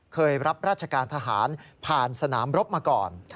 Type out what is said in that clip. รับราชการทหารผ่านสนามรบมาก่อน